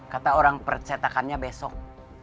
kata orang persetakannya besok